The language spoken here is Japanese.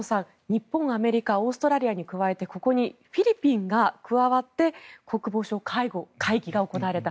日本、アメリカオーストラリアに加えてここにフィリピンが加わって国防相会議が行われた。